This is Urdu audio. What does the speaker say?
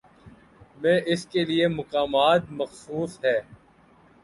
میں اس کے لیے مقامات مخصوص ہیں۔